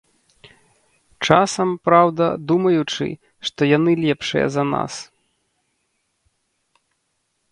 Часам, праўда, думаючы, што яны лепшыя за нас.